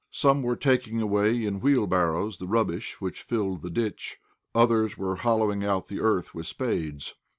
Some were taking away in wheelbarrows the rubbish which filled the ditch; others were hollowing out the earth with spades.